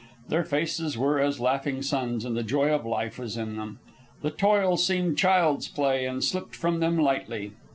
Their faces were as laughing suns, and the joy of life was in them. The toil seemed child's play and slipped from them lightly.